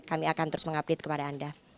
kami akan terus mengupdate kepada anda